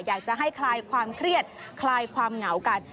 อยากจะให้คลายความเครียดคลายความเหงากัน